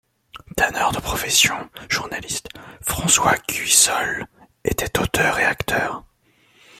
Tanneur de profession, journaliste, François Guisol était auteur et acteur.